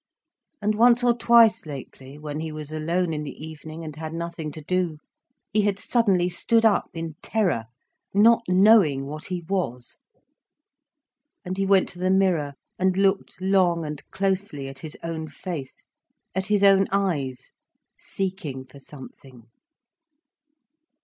And once or twice lately, when he was alone in the evening and had nothing to do, he had suddenly stood up in terror, not knowing what he was. And he went to the mirror and looked long and closely at his own face, at his own eyes, seeking for something.